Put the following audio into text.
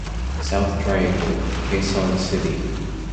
South Triangle, Quezon City.